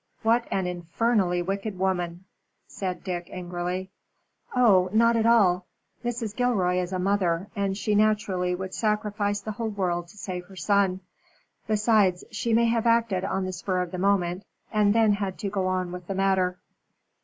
"What an infernally wicked woman!" said Dick, angrily. "Oh! not at all. Mrs. Gilroy is a mother, and she naturally would sacrifice the whole world to save her son. Besides, she may have acted on the spur of the moment, and then had to go on with the matter."